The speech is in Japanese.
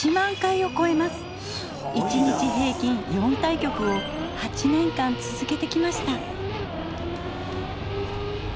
１日平均４対局を８年間続けてきました。